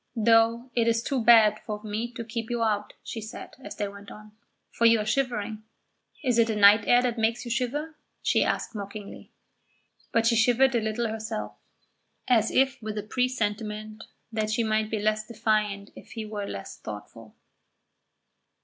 "Though it is too bad of me to keep you out," she said, as they went on, "for you are shivering. Is it the night air that makes you shiver?" she asked mockingly. But she shivered a little herself, as if with a presentiment that she might be less defiant if he were less thoughtful.